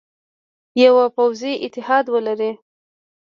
یوه پوځي اتحاد ولري.